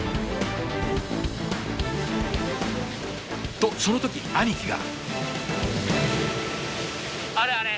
とその時兄貴が。